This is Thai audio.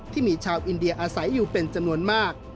ที่มีชาวอินเดียอาศัยอยู่เป็นจำนวนมาก